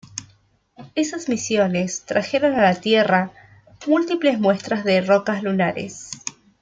Esas misiones trajeron a la Tierra múltiples muestras de rocas lunares.